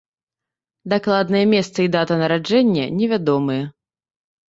Дакладнае месца і дата нараджэння невядомыя.